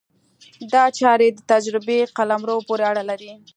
دا چارې د تجربې قلمرو پورې اړه لري.